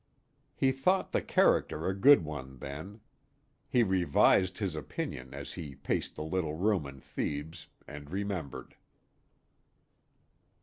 He thought the character a good one then. He revised his opinion as he paced the little room in Thebes, and remembered.